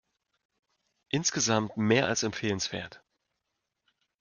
Insgesamt mehr als empfehlenswert.